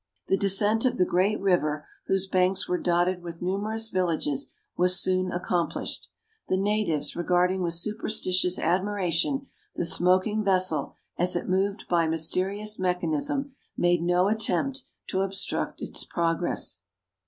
The descent of the great river, whose banks were dotted with numerous villages, was soon accomplished. The natives, regarding with superstitious admiration the smoking vessel as it moved by mysterious mechanism, made no attempt to obstruct its progress.